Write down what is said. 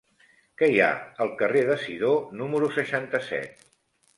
Què hi ha al carrer de Sidó número seixanta-set?